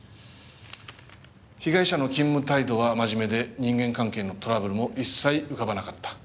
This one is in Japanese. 被害者の勤務態度は真面目で人間関係のトラブルも一切浮かばなかった。